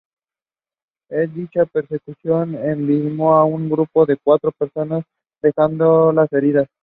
En dicha persecución, embistió a un grupo de cuatro personas dejándolas heridas.